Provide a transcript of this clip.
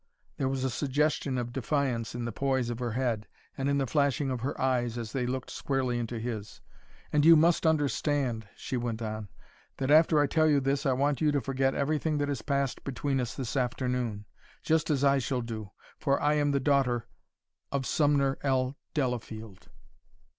There was a suggestion of defiance in the poise of her head and in the flashing of her eyes as they looked squarely into his. "And you must understand," she went on, "that after I tell you this I want you to forget everything that has passed between us this afternoon, just as I shall do. For I am the daughter of Sumner L. Delafield!"